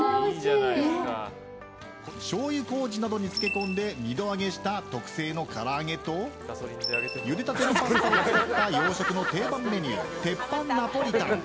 しょうゆ麹などに漬け込んで二度揚げした特製のから揚げとゆでたての鉄板を使った洋食の定番メニューナポリタン。